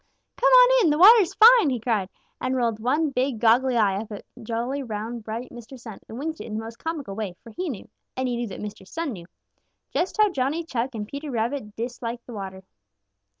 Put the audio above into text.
"Come on in; the water's fine!" he cried, and rolled one big, goggly eye up at jolly, round, bright Mr. Sun and winked it in the most comical way, for he knew, and he knew that Mr. Sun knew, just how Johnny Chuck and Peter Rabbit dislike the water.